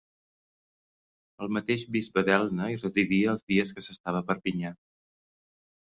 El mateix bisbe d'Elna hi residia els dies que s'estava a Perpinyà.